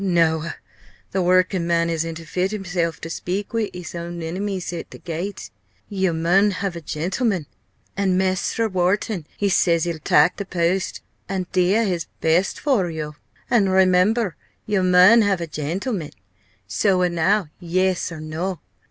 _ Noa the workin' man isn't fit himself to speak wi' his own enemies i' th' gate yo mun have a gentleman! an' Mester Wharton, he says he'll tak' the post, an' dea his best for yo an', remember, yo mun have a gentleman! Soa now Yes! or No!